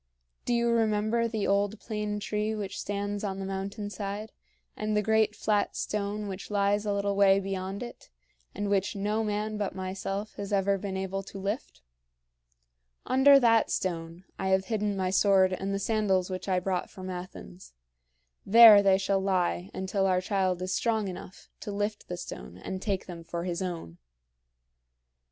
Do you remember the old plane tree which stands on the mountain side, and the great flat stone which lies a little way beyond it, and which no man but myself has ever been able to lift? Under that stone, I have hidden my sword and the sandals which I brought from Athens. There they shall lie until our child is strong enough to lift the stone and take them for his own.